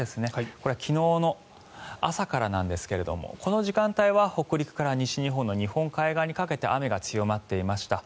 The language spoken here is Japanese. これは昨日の朝からなんですがこの時間帯は北陸から西日本の日本海側にかけて雨が強まっていました。